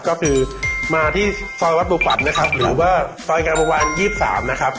ก็คือมาที่ซอยวัดบัวขวัญนะครับหรือว่าซอยงามวงวาน๒๓นะครับ